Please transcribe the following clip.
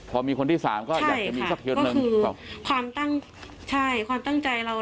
พอมีคนที่สามก็ใช่ค่ะก็คือความตั้งใช่ความตั้งใจเรา